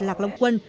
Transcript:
lạc long quân